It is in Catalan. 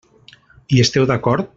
Hi esteu d'acord?